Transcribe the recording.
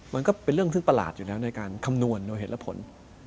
มันก็เป็นเรื่องที่ประหลาดอยู่แล้วในการคำนวณโดยเหตุและผล